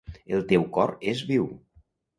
El teu cor és viu.